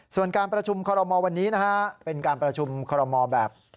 ส่วนการประชุมคอรมอลวันนี้นะฮะเป็นการประชุมคอรมอแบบ